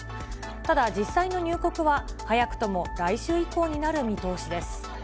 ただ、実際の入国は早くとも来週以降になる見通しです。